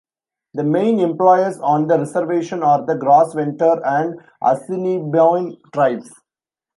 The main employers on the Reservation are the Gros Ventre and Assiniboine tribes.